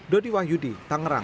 dodi wahyudi tangerang